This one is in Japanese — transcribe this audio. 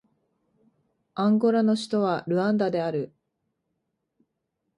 アンゴラの首都はルアンダである